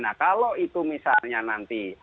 nah kalau itu misalnya nanti